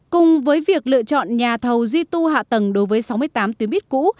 cùng với việc lựa chọn nhà thầu duy tu hạ tầng đối với sáu mươi tám tuyến buýt cũ